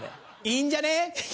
いいんじゃね？